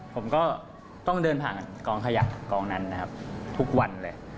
ผมก็ต้องเดินผ่านกองขยะกองนั้นนะครับทุกวันเลย